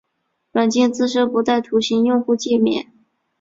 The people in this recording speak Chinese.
软件自身不带图形用户界面。